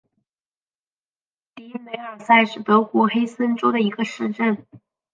迪梅尔塞是德国黑森州的一个市镇。